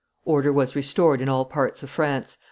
Order was restored in all parts of France.